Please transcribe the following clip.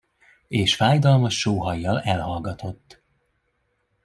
És fájdalmas sóhajjal elhallgatott.